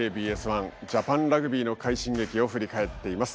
１ジャパンラグビーの快進撃を振り返っています。